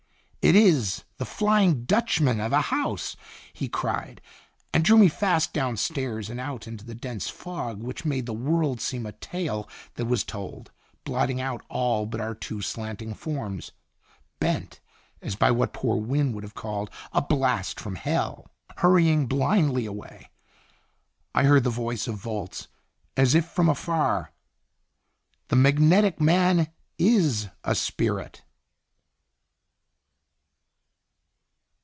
" It is ' The Flying Dutchman' of a house!" he cried, and drew me fast down stairs and out into a dense fog which made the world seem a tale that was told, blotting out all but our two slanting forms, bent as by what poor Wynne would have called "a blast from hell," hurrying blindly away. I heard the voice of Volz as if from afar: "The magnetic man is a spirit!"